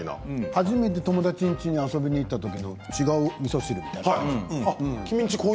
初めて友達の家に遊びに行った時のおみそ汁みたいな。